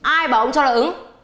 ai bảo ông cho nó ứng